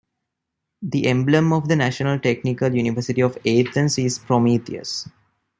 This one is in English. The emblem of the National Technical University of Athens is Prometheus.